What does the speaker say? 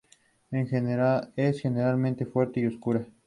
Es generalmente fuerte y oscura.